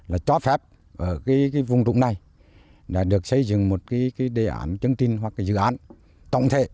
là cho phép vùng trúng này được xây dựng một đề án chứng tin hoặc dự án tổng thể